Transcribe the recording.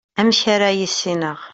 amek ara yissineɣ